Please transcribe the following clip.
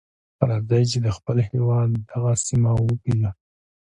راځئ چې د خپل هېواد دغه سیمه وپیژنو.